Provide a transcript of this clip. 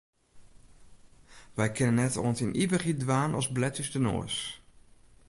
Wy kinne net oant yn de ivichheid dwaan as blet ús de noas.